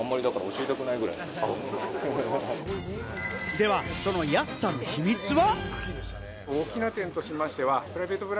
では、その安さの秘密は？